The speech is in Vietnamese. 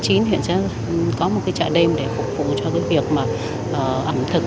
thì sẽ có một cái trạ đêm để phục vụ cho cái việc mà ẩm thực